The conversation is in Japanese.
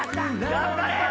頑張れ！